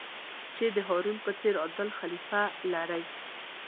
چې د هارون په څېر عادل خلیفه لرئ.